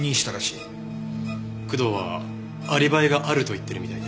工藤はアリバイがあると言ってるみたいで。